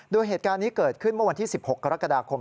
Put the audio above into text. โดยเหตุการณ์นี้เกิดขึ้นเมื่อวันที่๑๖กรกฎาคม